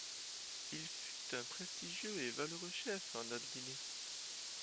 Il fut un prestigieux et valeureux chef en haute Guinée.